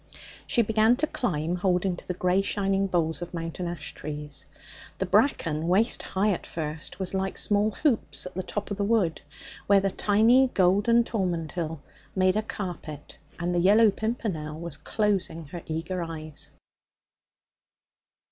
She began to climb, holding to the grey, shining boles of mountain ash trees. The bracken, waist high at first, was like small hoops at the top of the wood, where the tiny golden tormentil made a carpet and the yellow pimpernel was closing her eager eyes.